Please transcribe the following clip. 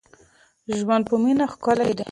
ژوند په مینه ښکلی دی.